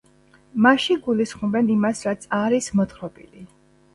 მასში გულისხმობენ იმას, რაც არის მოთხრობილი.